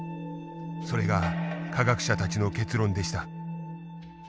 それが科学者たちの結論でした。